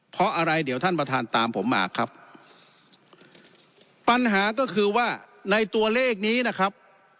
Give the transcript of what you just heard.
เพราะอะไรเดี๋ยวท่านประธานตามผมมาครับปัญหาก็คือว่าในตัวเลขนี้นะครับ